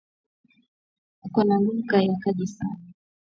Uko na nguvu ya kaji sana